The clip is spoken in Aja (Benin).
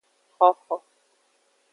Xoxo.